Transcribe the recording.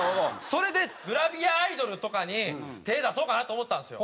それでグラビアアイドルとかに手出そうかなと思ったんですよ。